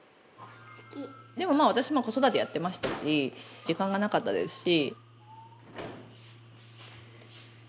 でも私も子育てやってましたし時間がなかったですし。